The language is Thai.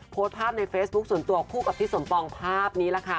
โพสต์ภาพในเฟซบุ๊คส่วนตัวคู่กับพี่สมปองภาพนี้แหละค่ะ